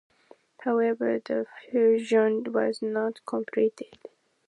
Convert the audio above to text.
However, the fusion was not completed.